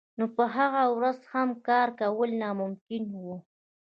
نو په هغه ورځ هم کار کول ناممکن وو